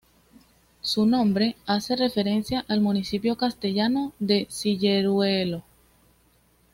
Su nombre hace referencia al municipio castellano de Cilleruelo de Bezana.